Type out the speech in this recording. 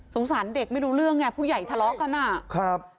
สงสารเด็กไม่รู้เรื่องไงผู้ใหญ่ทะเลาะกัน